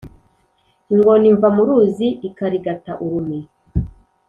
Ingona iva mu ruzi ikarigata urume